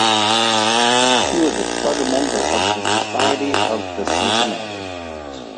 He was a charter member of the Society of the Cincinnati.